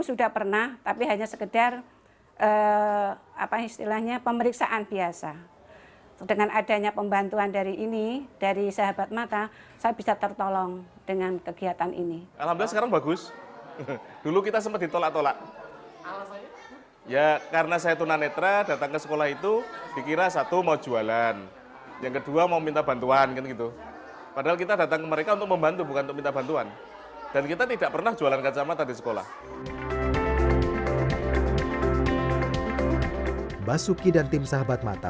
untuk minta bantuan dan kita tidak pernah jualan kacamata di sekolah basuki dan tim sahabat mata